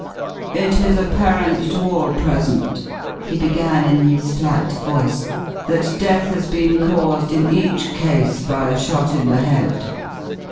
"It is apparent to all present," he began in his flat voice, "that death has been caused in each case by a shot in the head.